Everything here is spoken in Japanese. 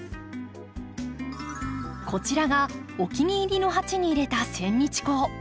こちらがお気に入りの鉢に入れたセンニチコウ。